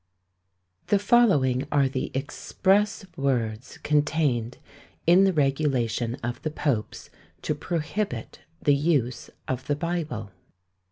The following are the express words contained in the regulation of the popes to prohibit the use of the Bible.